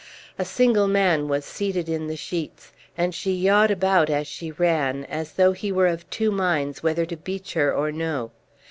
A single man was seated in the sheets, and she yawed about as she ran, as though he were of two minds whether to beach her or no.